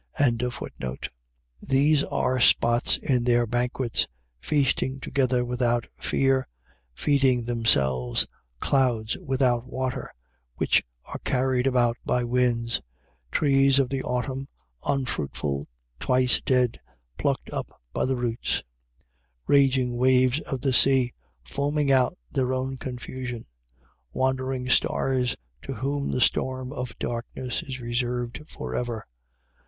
1:12. These are spots in their banquets, feasting together without fear, feeding themselves: clouds without water, which are carried about by winds: trees of the autumn, unfruitful, twice dead, plucked up by the roots: 1:13. Raging waves of the sea, foaming out their own confusion: wandering stars, to whom the storm of darkness is reserved for ever.